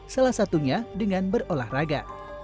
salah satunya dengan berolahraga